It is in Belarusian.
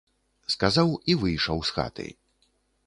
Сказаў і выйшаў з хаты.